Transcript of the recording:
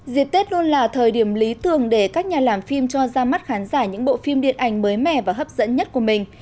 dịp tết luôn là thời điểm lý tưởng để các nhà làm phim cho ra mắt khán giả những bộ phim điện ảnh mới mẻ và hấp dẫn nhất của mình